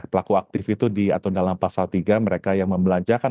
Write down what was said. pelaku aktif itu diatur dalam pasal tiga mereka yang membelanjakan